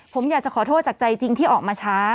ผมอยากจะขอโทษจากใจจริงที่ออกมาช้า